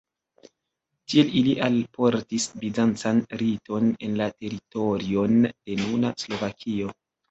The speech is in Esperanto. Tiel ili alportis bizancan riton en la teritorion de nuna Slovakio.